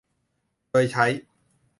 โดยใช้